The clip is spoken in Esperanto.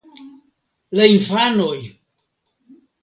La infanoj!